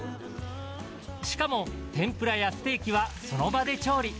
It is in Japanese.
しかも天ぷらやステーキはその場で調理。